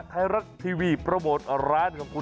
ไทยรัฐทีวีโปรโมทร้านของคุณ